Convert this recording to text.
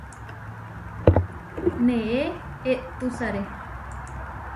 Neʼé eʼtusaré.